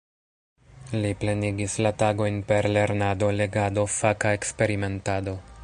Li plenigis la tagojn per lernado, legado, faka eksperimentado.